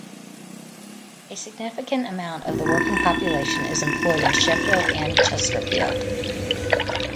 A significant amount of the working population is employed in Sheffield and Chesterfield.